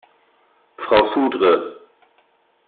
Frau Sudre!